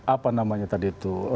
apa namanya tadi itu